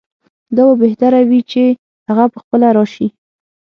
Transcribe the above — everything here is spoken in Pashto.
دا به بهتره وي چې هغه پخپله راشي.